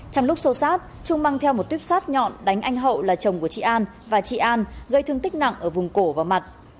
trong lúc xô sát trung mang theo một tuyếp sát nhọn đánh anh hậu là chồng của chị an và chị an gây thương tích nặng ở vùng cổ và mặt